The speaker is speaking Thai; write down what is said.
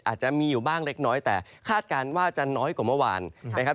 อาจจะมีอยู่บ้างเล็กน้อยแต่คาดการณ์ว่าจะน้อยกว่าเมื่อวานนะครับ